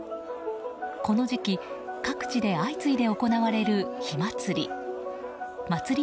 この時期各地で相次いで行われる火祭り。